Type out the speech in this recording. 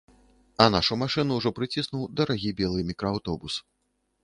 А нашу машыну ўжо прыціснуў дарагі белы мікрааўтобус.